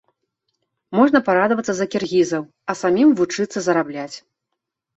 Можна парадавацца за кіргізаў, а самім вучыцца зарабляць.